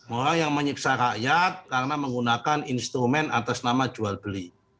orang yang menyiksa rakyat karena menggunakan instrumen atas nama jual beli